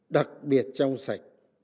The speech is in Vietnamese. đặc biệt trong sạch